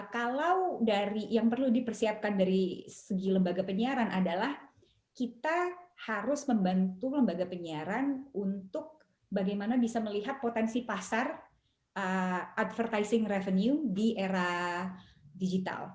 kalau dari yang perlu dipersiapkan dari segi lembaga penyiaran adalah kita harus membantu lembaga penyiaran untuk bagaimana bisa melihat potensi pasar advertising revenue di era digital